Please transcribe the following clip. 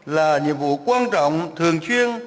là nhiệm vụ quan trọng thường chuyên